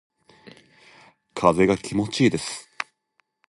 風が気持ちいいです。